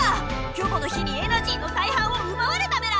キョボの日にエナジーの大半をうばわれたメラ！